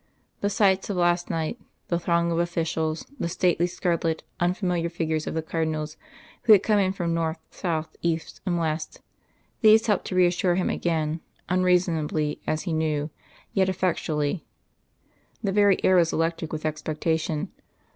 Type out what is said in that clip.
The sights of last night, the throng of officials, the stately, scarlet, unfamiliar figures of the Cardinals who had come in from north, south, east and west these helped to reassure him again unreasonably, as he knew, yet effectually. The very air was electric with expectation.